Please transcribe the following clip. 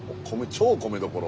超米どころ。